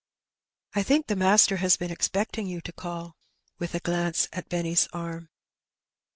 ^'" I think the master has been expecting you to call/* with a glance at Benny ^s arm.